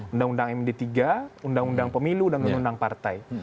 undang undang md tiga undang undang pemilu dan undang undang partai